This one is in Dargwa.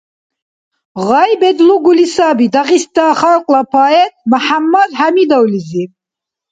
Гъай бедлугули саби Дагъиста халкьла поэт Мяхӏяммад Хӏямидовлизи.